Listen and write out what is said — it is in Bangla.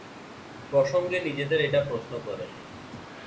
প্রসঙ্গে নিজেদের এটা প্রশ্ন করে।